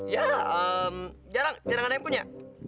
ya jarang jarang ada yang punya